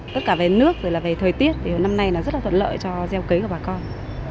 tất cả về nước về thời tiết thì hôm nay rất là thuận lợi cho gieo kế của bà con